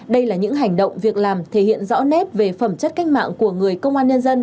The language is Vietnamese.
đây là những hành động việc làm thể hiện rõ nét về phẩm chất cách mạng của người công an nhân dân